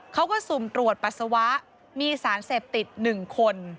เขาก็ซุมตรวจปัสสาวะมีสารเสพติด๑คน